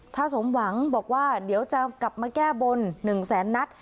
ถ้าสมหวังบอกว่าเดี๋ยวจะกลับมาแก้บน๑แสนนัด